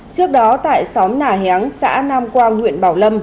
trước đó tại xóm nà héng xã nam quang huyện bảo lâm